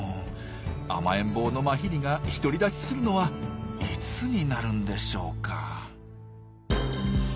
甘えん坊のマヒリが独り立ちするのはいつになるんでしょうか？